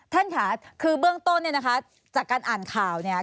ท่านค่ะคือเบื้องต้นเนี่ยนะคะจากการอ่านข่าวเนี่ย